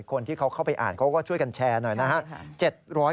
คนที่เขาเข้าไปอ่านเขาก็ช่วยกันแชร์หน่อยนะครับ